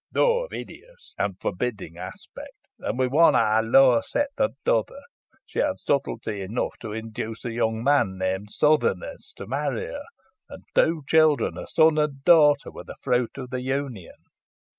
Though of hideous and forbidding aspect, and with one eye lower set than the other, she had subtlety enough to induce a young man named Sothernes to marry her, and two children, a son and a daughter, were the fruit of the union."